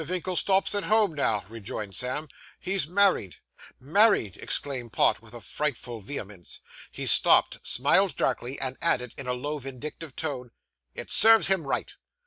Vinkle stops at home now,' rejoined Sam. 'He's married.' 'Married!' exclaimed Pott, with frightful vehemence. He stopped, smiled darkly, and added, in a low, vindictive tone, 'It serves him right!